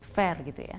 fair gitu ya